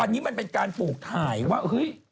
อันนี้มันเป็นการปลูกถ่ายว่าเฮ้ย